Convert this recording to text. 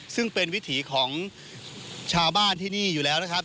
ซึ่งเป็นวิถีของชาวบ้านที่นี่อยู่แล้วนะครับ